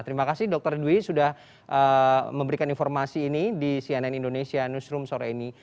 terima kasih dokter dwi sudah memberikan informasi ini di cnn indonesia newsroom sore ini